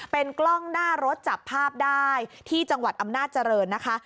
เป็นกล้องหน้ารถจับภาพได้ที่จังหวัดอำนาจเจริญนะคะ